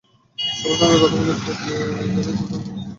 সবার সঙ্গে কথা বলে একপর্যায়ে নিজেরাই কোদাল নিয়ে মাটি কাটতে লেগে যান।